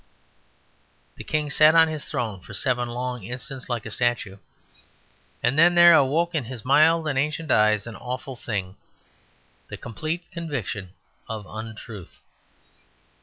The king sat on his throne for seven long instants like a statue; and then there awoke in his mild and ancient eyes an awful thing; the complete conviction of untruth.